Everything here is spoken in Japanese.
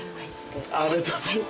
ありがとうございます。